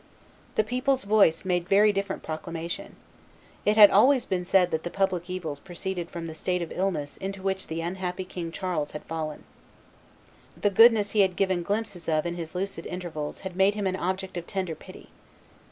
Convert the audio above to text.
The people's voice made very different proclamation. It had always been said that the public evils proceeded from the state of illness into which the unhappy King Charles had fallen. The goodness he had given glimpses of in his lucid intervals had made him an object of tender pity.